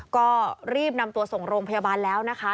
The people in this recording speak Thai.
ก็รีบนำตัวส่งโรงพยาบาลแล้วนะคะ